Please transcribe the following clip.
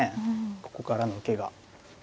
ここからの受けが。